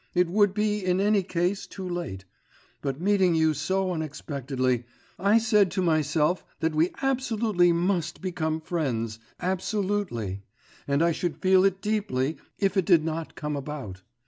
it would be in any case too late; but, meeting you so unexpectedly, I said to myself that we absolutely must become friends, absolutely ... and I should feel it deeply, if it did not come about